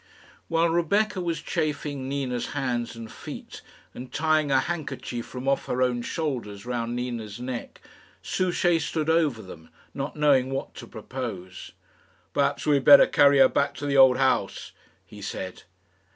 While Rebecca was chafing Nina's hands and feet, and tying a handkerchief from off her own shoulders round Nina's neck, Souchey stood over them, not knowing what to propose. "Perhaps we had better carry her back to the old house," he said.